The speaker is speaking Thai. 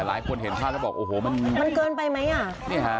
หลายคนเห็นภาพแล้วบอกโอ้โหมันมันเกินไปไหมอ่ะนี่ฮะ